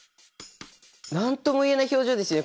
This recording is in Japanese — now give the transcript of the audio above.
何とも言えない表情ですよ。